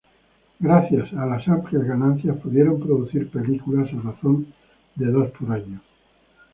Gracias a las amplias ganancias, pudieron producir películas a razón de dos por año.